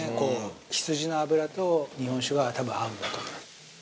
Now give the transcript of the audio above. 羊の脂と日本酒が多分合うんだと思う。